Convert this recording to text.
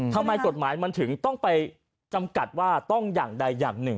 ทำไมกฎหมายมันถึงต้องไปจำกัดว่าต้องอย่างใดอย่างหนึ่ง